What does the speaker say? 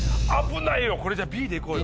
これじゃあ「Ｂ」でいこうよ。